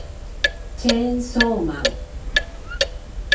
チェーンソーマン